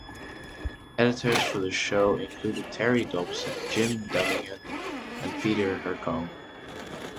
Editors for the show included Terry Dobson, Jim Dumighan, and Peter Hercombe.